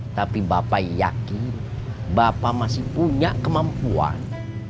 tapi bapak yakin bapak masih punya kemampuan